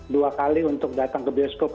dua kali untuk datang ke bioskop